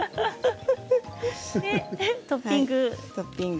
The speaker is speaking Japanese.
トッピング。